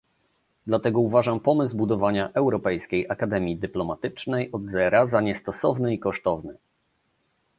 Dlatego uważam pomysł budowania Europejskiej Akademii Dyplomatycznej od zera za niestosowny i kosztowny